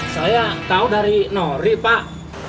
saya tahu dari nori pak